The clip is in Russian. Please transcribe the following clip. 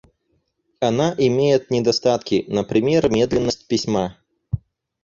Она имеет недостатки, например медленность письма.